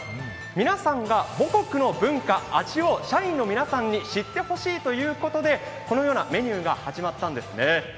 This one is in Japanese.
皆さんが母国の文化、味を社員の皆さんに知ってほしいということで、このようなメニューが始まったんですね。